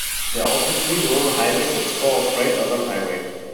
There are also three rural highways that spur off Great Northern Highway.